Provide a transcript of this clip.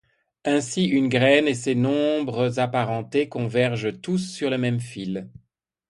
Ainsi une graine et ses nombres apparentés convergent tous sur le même fil.